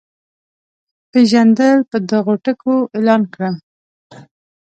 پېژندل په دغو ټکو اعلان کړل.